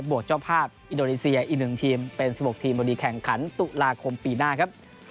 บวกเจ้าภาพอินโดนีเซียอีนหนึ่งทีมเป็น๑๖ทีมบริการแข่งขันตุลาคมปีหน้า